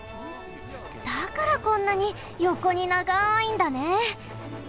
だからこんなによこにながいんだね。